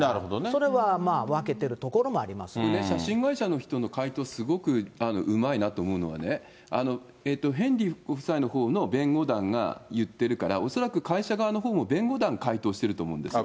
それは分けてるところもあり写真会社の人の回答、すごくうまいなと思うのがね、ヘンリーご夫妻のほうの弁護団が言ってるから、恐らく会社側のほうも弁護団、回答してると思うんですよ。